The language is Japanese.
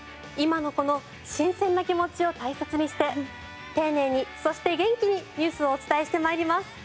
今のこの新鮮な気持ちを大切にして丁寧にそして元気にニュースをお伝えして参ります。